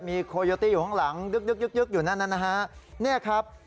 มีโคโยตี้อยู่ข้างหลังยึ๊บอยู่นั้นนะครับ